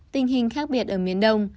tình hình khác biệt ở miền đông